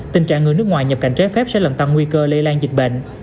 tình trạng người nước ngoài nhập cảnh trái phép sẽ làm tăng nguy cơ lây lan dịch bệnh